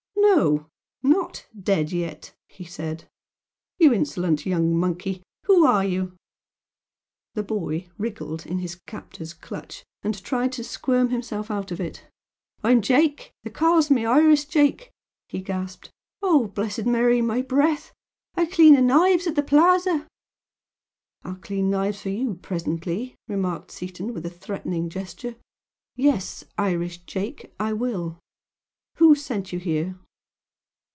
"No, not dead yet!" he said "You insolent young monkey! Who are you?" The boy wriggled in his captor's clutch, and tried to squirm himself out of it. "I'm I'm Jake they calls me Irish Jake" he gasped "O Blessed Mary! my breath! I clean the knives at the Plaza " "I'll clean knives for you presently!" remarked Seaton, with a threatening gesture "Yes, Irish Jake, I will! Who sent you here?"